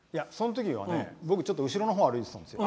僕後ろのほう歩いてたんですよ。